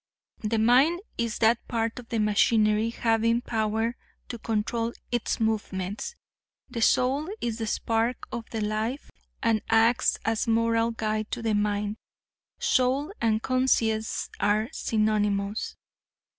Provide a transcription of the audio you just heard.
The mind is that part of the machinery having power to control its movements. The soul is the spark of life and acts as a moral guide to the mind. Soul and conscience are synonymous.